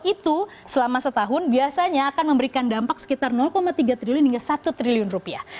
itu selama setahun biasanya akan memberikan dampak sekitar tiga triliun hingga satu triliun rupiah